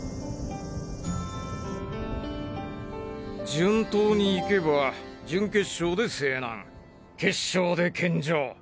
順当に行けば準決勝で勢南決勝で健丈